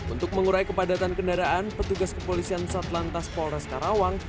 untuk mengurai kepadatan kendaraan petugas kepolisian satlantas polres karawang